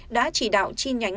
đã chỉ đạo chi nhánh